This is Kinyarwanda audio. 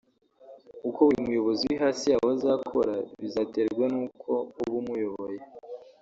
uko buri muyobozi uri hasi yawe azakora bizaterwa nuko uba umuyoboye